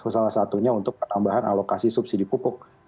salah satunya untuk penambahan alokasi subsidi pupuk